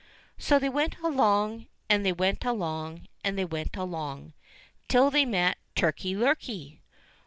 So they went along, and they went along, and they went along, till they met Turkey lurkey.